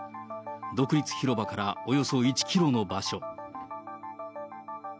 独立広場からおよそ１キロの場所。